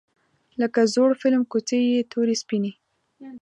لکه زوړ فیلم کوڅې یې تورې سپینې